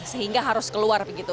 sehingga harus keluar begitu